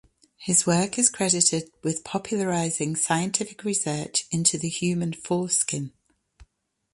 His work is credited with popularizing scientific research into the human foreskin.